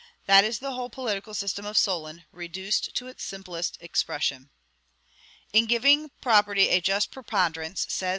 That is the whole political system of Solon, reduced to its simplest expression. "In giving property a just preponderance," says M.